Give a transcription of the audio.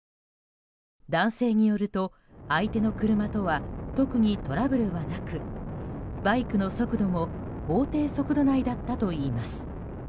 男性によると相手の車とは特にトラブルはなくバイクの速度も法定速度内だったといいます。